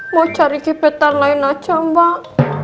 mau cari kipetan lain aja mbak